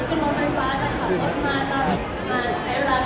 จะเยอะเยอะค่ะ